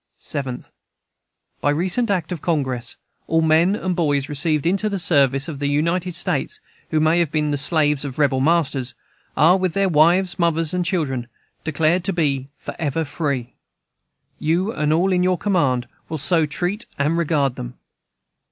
7th. By recent act of Congress, all men and boys received into the service of the United States, who may have been the slaves of rebel masters, are, with their wives, mothers, and children, declared to be forever free. You and all in your command will so treat and regard them.